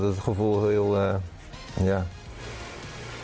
เธอจะบอกว่าเธอจะบอกว่าเธอจะบอกว่า